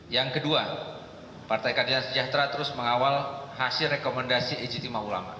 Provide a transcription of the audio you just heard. yang kedua partai kandil sejahtera terus mengawal hasil rekomendasi ijt mahulama